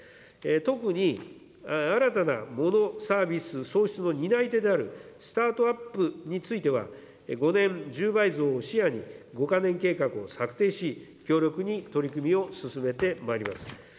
特に、新たなモノ、サービス創出の担い手であるスタートアップについては、５年１０倍増を視野に、５か年計画を策定し、強力に取り組みを進めてまいります。